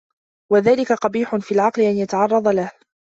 وَذَلِكَ قَبِيحٌ فِي الْعَقْلِ أَنْ يَتَعَرَّضَ لَهُ